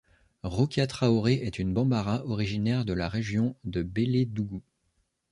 Rokia Traoré est une Bambara originaire de la région de Bélédougou.